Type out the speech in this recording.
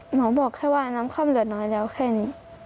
บอกแค่ว่าน้ำค่ำเหลือน้อยแล้วแค่นี้